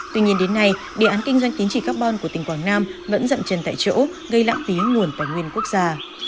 tuy nhiên đến nay đề án kinh doanh tính trị carbon của tỉnh quảng nam vẫn dậm chân tại chỗ gây lãng phí nguồn tài nguyên quốc gia